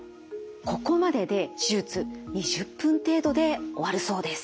ここまでで手術２０分程度で終わるそうです。